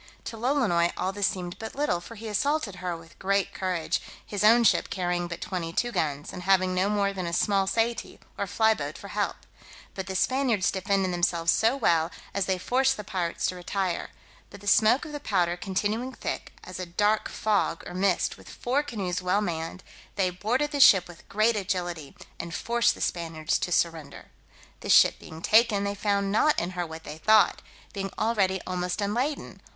To Lolonois all this seemed but little, for he assaulted her with great courage, his own ship carrying but twenty two guns, and having no more than a small saety or fly boat for help: but the Spaniards defended themselves so well, as they forced the pirates to retire; but the smoke of the powder continuing thick, as a dark fog or mist, with four canoes well manned, they boarded the ship with great agility, and forced the Spaniards to surrender. The ship being taken, they found not in her what they thought, being already almost unladen.